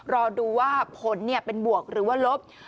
รอดูว่าผลเป็นบวกหรือว่าลบ